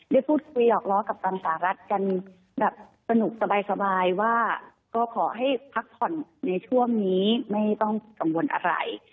ได้พูดคุยหอกล้อกับทางสหรัฐกันแบบสนุกสบายว่าก็ขอให้พักผ่อนในช่วงนี้ไม่ต้องกังวลอะไร